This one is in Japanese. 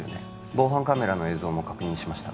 防犯カメラの映像も確認しました